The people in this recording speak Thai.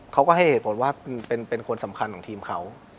เขาก็ให้เหตุผลว่าเป็นคนสำคัญของทีมเขา